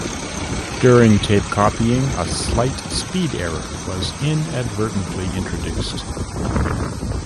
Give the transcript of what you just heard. During tape copying a slight speed error was inadvertently introduced.